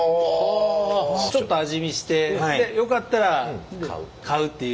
ちょっと味見してでよかったら買うっていう。